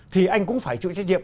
thì anh cũng phải chịu trách nhiệm